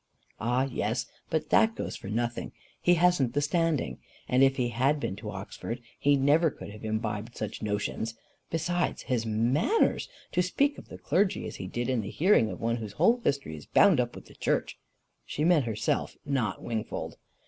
"Ah! yes; but that goes for nothing: he hasn't the standing. And if he had been to Oxford, he never could have imbibed such notions. Besides his manners! To speak of the clergy as he did in the hearing of one whose whole history is bound up with the church!" She meant herself, not Wingfold.